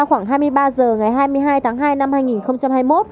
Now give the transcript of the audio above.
khoảng hai mươi ba h ngày hai mươi hai tháng hai năm hai nghìn hai mươi một